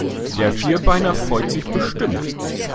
Der Vierbeiner freut sich bestimmt.